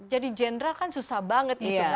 jadi jenderal kan susah banget gitu